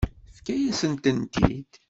Tefka-yasent-tent-id.